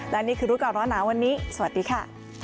และนี่คือรู้ก่อนร้อนหนาวันนี้สวัสดีค่ะ